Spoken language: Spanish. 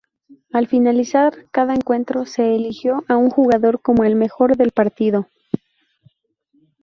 Al finalizar cada encuentro se eligió a un jugador como el mejor del partido.